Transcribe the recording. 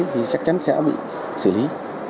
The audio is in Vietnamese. thì chắc chắn sẽ bị xử lý